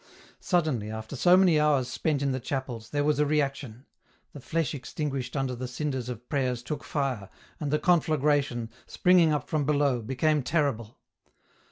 " Suddenly, after so many hours spent in the chapels, there was a reaction ; the flesh extinguished under the cinders of prayers took fire, and the conflagration, springing up from below, became terrible.